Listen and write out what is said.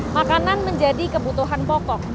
makanan menjadi kebutuhan pokok